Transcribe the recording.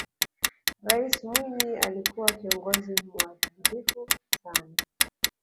raisi mwinyi alikuwa kiongozi muadilifu sana